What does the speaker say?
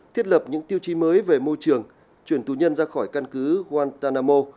thiết lập những tiêu chí mới về môi trường chuyển tù nhân ra khỏi căn cứ guantanamo